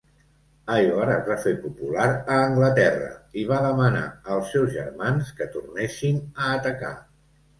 Ivar es va fer popular a Anglaterra i va demanar als seus germans que tornessin a atacar.